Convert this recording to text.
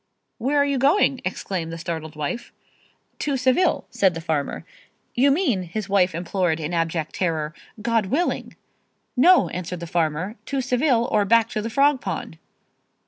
"Where are you going?" exclaimed the startled wife. "To Seville," said the farmer. "You mean," his wife implored in abject terror, "God willing." "No," answered the farmer, "to Seville or back to the frog pond!"